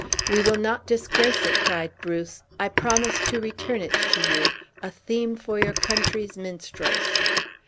"We will not disgrace it," cried Bruce; "I promised to return it to you, a theme for your country's minstrels."